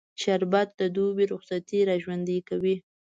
شربت د دوبی رخصتي راژوندي کوي